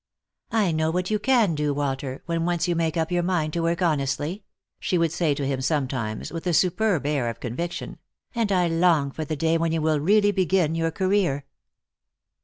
" I know what you can do, Walter, when once you make up your mind to work honestly," she would say to him sometimes, with a superb air of conviction, " and I long for the day when you will really begin your career."